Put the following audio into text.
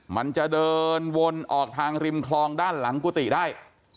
มันจะเดินวนออกทางริมคลองด้านหลังกุฏิได้